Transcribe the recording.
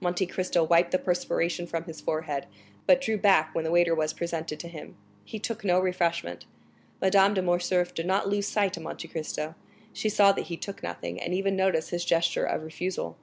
Monte Cristo wiped the perspiration from his forehead, but drew back when the waiter was presented to him; he took no refreshment. Madame de Morcerf did not lose sight of Monte Cristo; she saw that he took nothing, and even noticed his gesture of refusal.